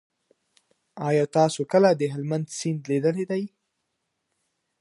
آیا تاسو کله د هلمند سیند لیدلی دی؟